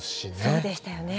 そうでしたよね。